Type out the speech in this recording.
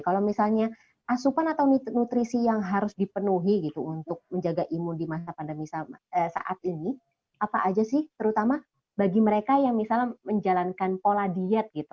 kalau misalnya asupan atau nutrisi yang harus dipenuhi gitu untuk menjaga imun di masa pandemi saat ini apa aja sih terutama bagi mereka yang misalnya menjalankan pola diet gitu